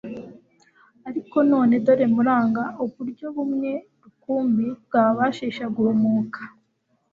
ariko none dore muranga uburyo bumwe mkumbi bwababashisha guhumuka.